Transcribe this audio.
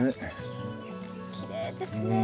きれいですね。